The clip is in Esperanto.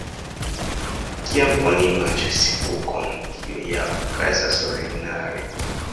Kiam oni manĝas kukon, tio ja okazas ordinare.